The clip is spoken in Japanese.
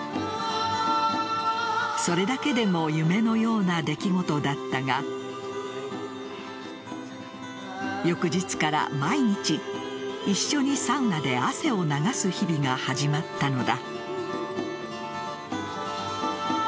それだけでも夢のような出来事だったが翌日から毎日一緒にサウナで汗を流す日々が始まったのだ。